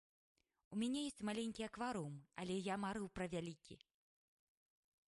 У мяне ёсць маленькі акварыум, але я марыў пра вялікі.